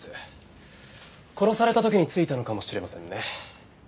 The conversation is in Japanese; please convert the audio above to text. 殺された時に付いたのかもしれませんね。